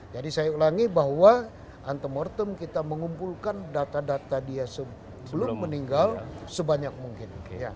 jadi saya ulangi bahwa antemortem kita mengumpulkan data data dia sebelum meninggal sebanyak mungkin